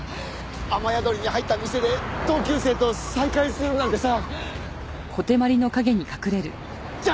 雨宿りに入った店で同級生と再会するなんてさ。